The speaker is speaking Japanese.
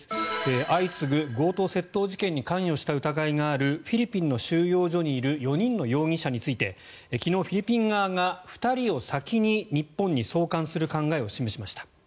相次ぐ強盗・窃盗事件に関与した疑いがあるフィリピンの収容所にいる４人の容疑者について昨日、フィリピン側が２人を先に日本に送還する考えを示しました。